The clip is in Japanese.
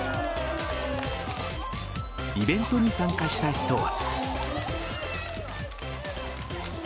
イベントに参加した人は。